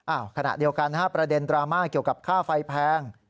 ขณะเดียวกันประเด็นดราม่าเกี่ยวกับค่าไฟแพง